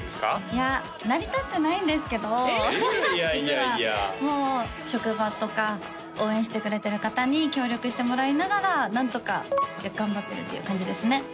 いや成り立ってないんですけど実はもう職場とか応援してくれてる方に協力してもらいながらなんとか頑張ってるっていう感じですね